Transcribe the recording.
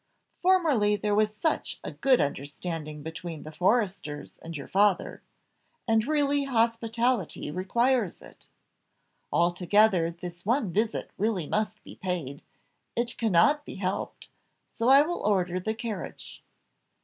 Formerly there was such a good understanding between the Forresters and your father; and really hospitality requires it. Altogether this one visit really must be paid, it cannot be helped, so I will order the carriage."